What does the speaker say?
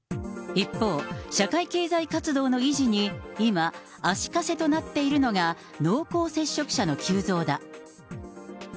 一方、社会経済活動の維持に今、足かせとなっているのが、濃厚接触者の急増だ。